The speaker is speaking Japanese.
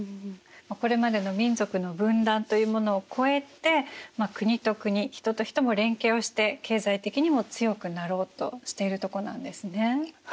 これまでの民族の分断というものを超えて国と国人と人も連携をして経済的にも強くなろうとしているとこなんですね。